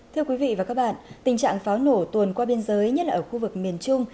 thưa quý vị và các bạn tình trạng pháo nổ tuần qua biên giới nhất là ở khu vực miền trung